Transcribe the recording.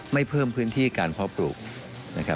ไม่เพิ่มพื้นที่การพ่อปลูก